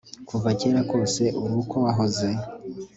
Kuva kera kose uri uko wahoze